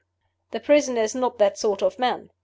The prisoner is not that sort of man.